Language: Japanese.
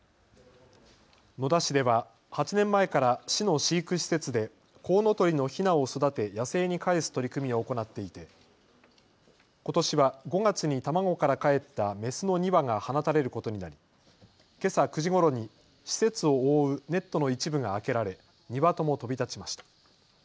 野田市では８年前から市の飼育施設でコウノトリのひなを育て野生にかえす取り組みを行っていてことしは５月に卵からかえったメスの２羽が放たれることになりけさ９時ごろに施設を覆うネットの一部が開けられ２羽とも飛び立ちました。